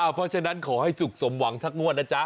เพราะฉะนั้นขอให้สุขสมหวังสักงวดนะจ๊ะ